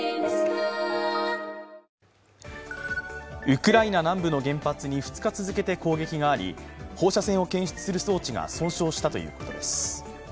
ウクライナ南部の原発に２日続けて攻撃があり放射線を検出する装置が損傷したということです。